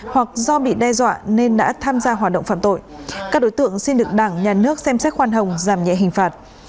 hoặc do bị đe dọa nên đã tham gia hoạt động phạm tội các đối tượng xin được đảng nhà nước xem xét khoan hồng giảm nhẹ hình phạt